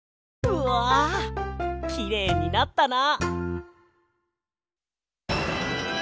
うわきれいになったな！